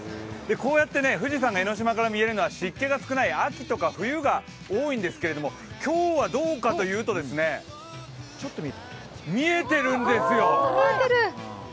こうやって富士山が江の島から見えるのは湿気が少ない秋とかか冬が多いんですけど、今日はどうかというと見えてるんですよ。